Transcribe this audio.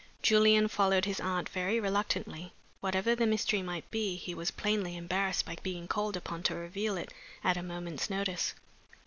Julian followed his aunt very reluctantly. Whatever the mystery might be, he was plainly embarrassed by being called upon to reveal it at a moment's notice.